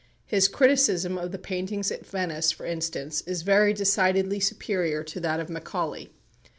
His criticism of the paintings at Venice, for instance, is very decidedly superior to that of Macaulay.